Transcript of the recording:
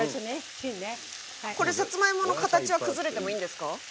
さつまいもの形は崩れてもいいんですか？